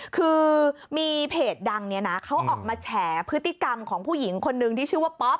คือมีเพจดังเนี่ยนะเขาออกมาแฉพฤติกรรมของผู้หญิงคนนึงที่ชื่อว่าป๊อป